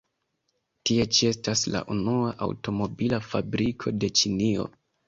Tie ĉi estas la unua aŭtomobila fabriko de Ĉinio.